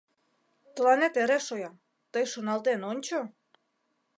Тыланет эре шоя: тый шоналтен ончо!